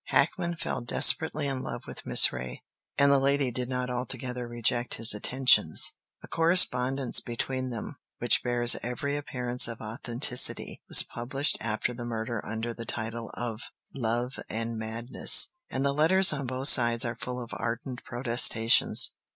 Hackman fell desperately in love with Miss Reay, and the lady did not altogether reject his attentions. A correspondence between them, which bears every appearance of authenticity, was published after the murder under the title of "Love and Madness," and the letters on both sides are full of ardent protestations.